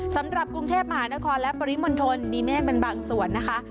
สำหรับกรุงเทพมหานครและปริมณฑลมีเมฆเป็นบางส่วนนะคะ